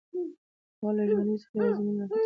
هغه له ژوند څخه یوازې مینه راخیستې ده